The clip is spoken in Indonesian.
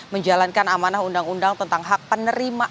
menjalankan amanah undang undang yang diperlukan oleh pemerintah